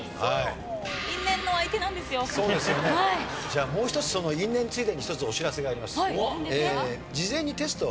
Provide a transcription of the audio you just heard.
じゃあもう一つ因縁ついでに一つお知らせがあります。